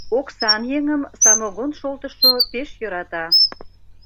Оксан еҥым самогон шолтышо пеш йӧрата.